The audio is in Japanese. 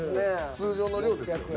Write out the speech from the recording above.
通常の量ですよね？